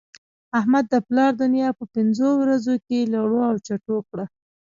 احمد د پلا دونيا په پنځو ورځو کې لړو او چټو کړه.